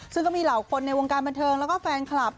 ซึ่งก็มีเหล่าคนในวงการบันเทิงแล้วก็แฟนคลับ